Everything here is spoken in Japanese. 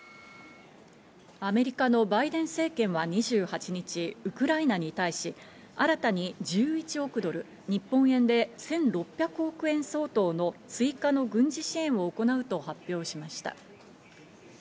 アメリカのバイデン政権は２８日、ウクライナに対し、新たに１１億ドル、日本円で１６００億円相当の追加の軍事支援を行うと発表しました。